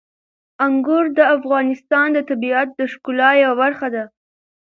انګور د افغانستان د طبیعت د ښکلا یوه برخه ده.